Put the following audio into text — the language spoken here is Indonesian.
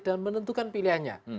dan menentukan pilihannya